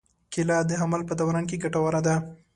کېله د حمل په دوران کې ګټوره ده.